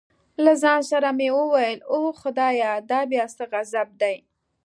له ځان سره مې وویل اوه خدایه دا بیا څه غضب دی.